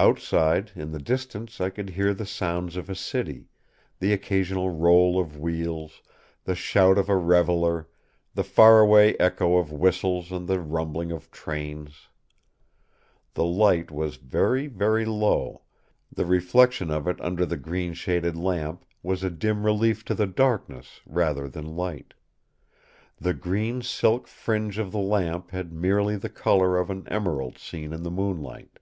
Outside, in the distance I could hear the sounds of a city, the occasional roll of wheels, the shout of a reveller, the far away echo of whistles and the rumbling of trains. The light was very, very low; the reflection of it under the green shaded lamp was a dim relief to the darkness, rather than light. The green silk fringe of the lamp had merely the colour of an emerald seen in the moonlight.